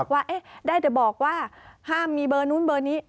ว่าได้แต่บอกว่าห้ามมีเบอร์นู้นเบอร์นี้